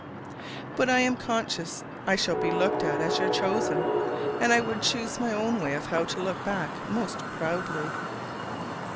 But I am conscious I shall be looked at as your chosen; and I would choose my own way of how to look back most proudly.